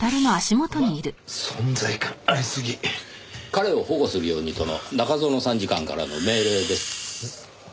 彼を保護するようにとの中園参事官からの命令です。